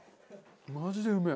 マジでうめえ！